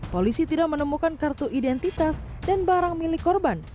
polisi tidak menemukan kartu identitas dan barang milik korban